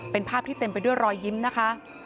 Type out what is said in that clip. เป็นภาพที่เต็มไปด้วยรอยยิ้มนะคะ